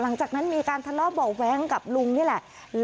หลังจากนั้นมีการทะเลาะเบาะแว้งกับลุงนี่แหละ